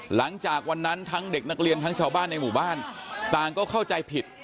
หลังจากวันนั้นทั้งเด็กนักเรียนทั้งชาวบ้านในหมู่บ้านต่างก็เข้าใจผิด